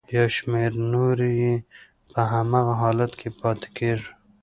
یو شمېر نورې یې په هماغه حالت کې پاتې کیږي.